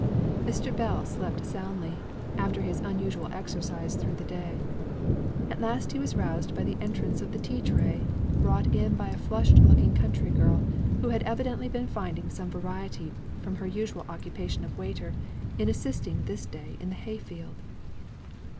Mr. Bell slept soundly, after his unusual exercise through the day. At last he was roused by the entrance of the tea tray, brought in by a flushed looking country girl, who had evidently been finding some variety from her usual occupation of waiter, in assisting this day in the hay field.